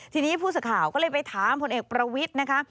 ทีนี้ผู้สื่อข่าวก็เลยไปถามผลเอกประวิทย์นะคะ